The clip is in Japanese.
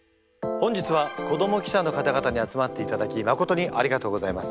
本日は子ども記者の方々に集まっていただきまことにありがとうございます。